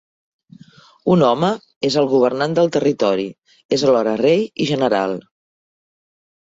Un home és el governant del territori: és alhora rei i general.